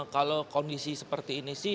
kalau kondisi seperti ini sih